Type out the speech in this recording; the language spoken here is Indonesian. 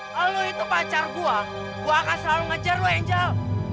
kalo lu itu pacar gua gua akan selalu ngejar lu angel